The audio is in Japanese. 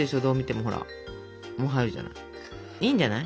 もう入るじゃない。